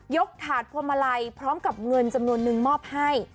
ถาดพวงมาลัยพร้อมกับเงินจำนวนนึงมอบให้